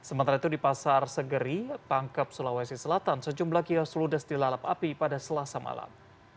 sementara itu di pasar segeri pangkep sulawesi selatan sejumlah kios ludes dilalap api pada selasa malam